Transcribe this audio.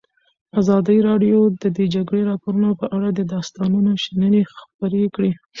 ازادي راډیو د د جګړې راپورونه په اړه د استادانو شننې خپرې کړي.